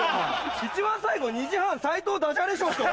一番最後２時半「斉藤ダジャレショー」って。